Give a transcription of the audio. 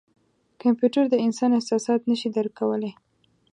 کمپیوټر د انسان احساسات نه شي درک کولای.